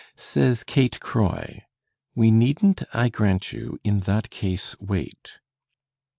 Says Kate Croy: "We needn't, I grant you, in that case wait."